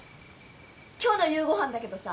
今日の夕ご飯だけどさ